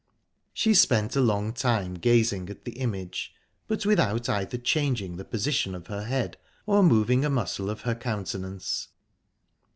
She spent a long time gazing at the image, but without either changing the position of her head, or moving a muscle of her countenance.